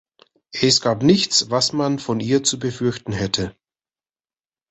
Es gab nichts, was man von ihr zu befürchten hätte.